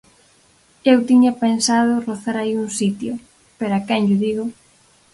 Eu tiña pensado rozar aí un sitio, pero a quen llo digo?